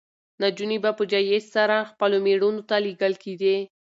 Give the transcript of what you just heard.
نجونې به په جېز سره خپلو مېړونو ته لېږل کېدې.